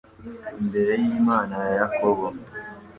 imbere y’Imana ya Yakobo